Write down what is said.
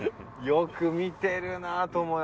よく見てるわ。